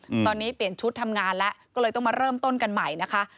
อืมตอนนี้เปลี่ยนชุดทำงานแล้วก็เลยต้องมาเริ่มต้นกันใหม่นะคะ